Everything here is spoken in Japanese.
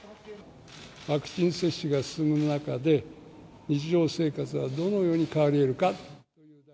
ワクチン接種が進む中で、日常生活がどのように変わりえるか。